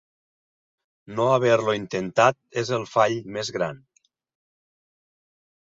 No haver-lo intentat és el fall més gran.